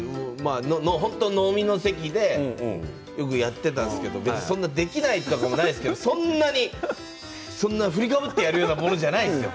本当に飲みの席でよくやっていたんですけど別にそんなできないとかもないですけれど、そんなに振りかぶってやるようなものじゃないですよ。